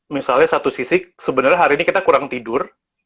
misalnya satu sisi sebenarnya hari ini kita kurang tidur